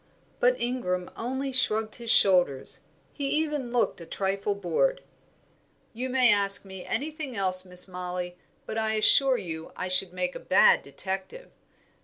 But Ingram only shrugged his shoulders: he even looked a trifle bored. "You may ask me anything else, Miss Mollie, but I assure you I should make a bad detective.